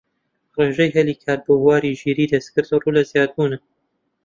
ڕێژەی هەلی کار بۆ بواری ژیریی دەستکرد ڕوو لە زیادبوونە